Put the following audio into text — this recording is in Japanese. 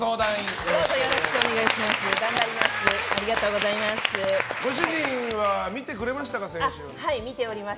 よろしくお願いします。